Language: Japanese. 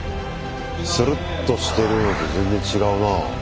つるっとしてるのと全然違うなぁ。